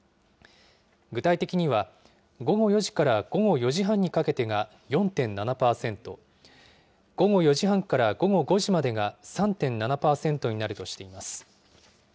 具体的には、午後４時から午後４時半にかけてが４．７％、午後４時半から午後５時までが３．７％になるとしています。